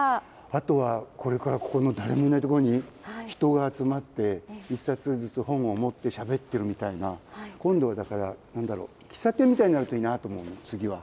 あとはこれからここの誰もいない所に、人が集まって、１冊ずつ本を持ってしゃべってるみたいな、今度はだから、なんだろう、喫茶店みたいになるといいなと思う、次は。